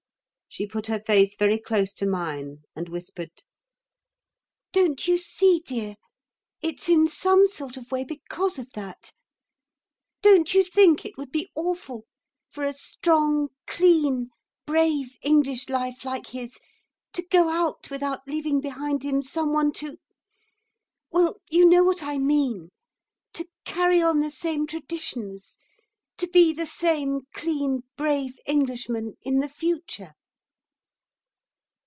She put her face very close to mine and whispered: "Don't you see, dear, it's in some sort of way because of that? Don't you think it would be awful for a strong, clean, brave English life like his to go out without leaving behind him someone to well, you know what I mean to carry on the same traditions to be the same clean brave Englishman in the future?"